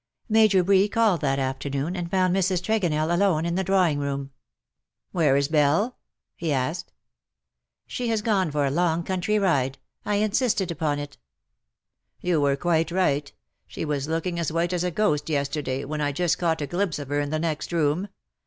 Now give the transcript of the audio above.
Major Bree called that afternoon, and found Mrs. Tregonell alone in the drawing room. 22 '' Where is Belle T' lie asked. ^' She has gone for a long country ride — I insisted upon it." ^' You were quite right. She was looking as white as a ghost yesterday when , I just caught a glimpse of her in the next room.